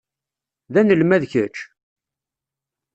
D anelmad kečč?